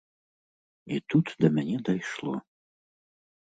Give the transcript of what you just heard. І тут да мяне дайшло.